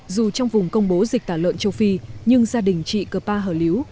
dù trong vùng công bố dịch tả lợn châu phi nhưng gia đình chị cơ pa hở liếu